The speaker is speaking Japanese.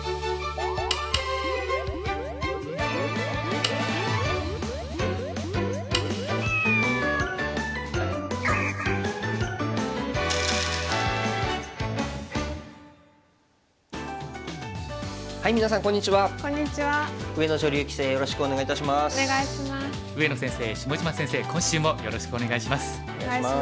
お願いします。